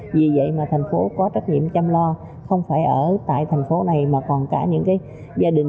vì vậy mà thành phố có trách nhiệm chăm lo không phải ở tại thành phố này mà còn cả những gia đình